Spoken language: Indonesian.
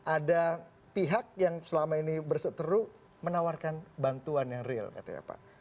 ada pihak yang selama ini berseteru menawarkan bantuan yang real katanya pak